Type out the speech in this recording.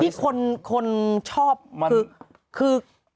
ที่คนชอบคือ